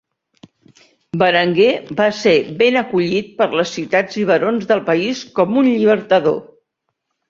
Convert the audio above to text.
Berenguer va ser ben acollit per les ciutats i barons del país com un llibertador.